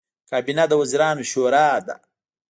کابینه د وزیرانو شورا ده